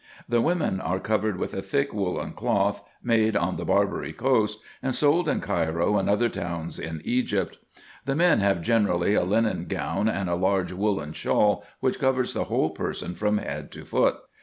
The women are covered with a thick woollen cloth made on the Barbary coast, and sold in Cairo and other towns in Egypt. The men have generally a linen gown and a large woollen shawl, which covers the whole person from head to foot.